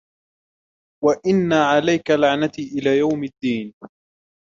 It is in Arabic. وَإِنَّ عَلَيْكَ لَعْنَتِي إِلَى يَوْمِ الدِّينِ